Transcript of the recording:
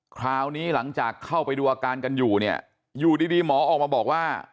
คราวนี้หลังจากเข้าไปดูอาการกันอยู่เนี่ยอยู่ดีหมอออกมาบอกว่า